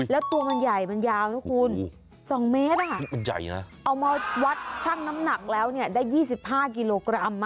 แล้วตัวมันใหญ่มันยาวนะคุณ๒เมตรมันใหญ่นะเอามาวัดช่างน้ำหนักแล้วเนี่ยได้๒๕กิโลกรัม